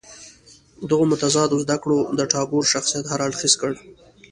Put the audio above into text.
دغو متضادو زده کړو د ټاګور شخصیت هر اړخیز کړ.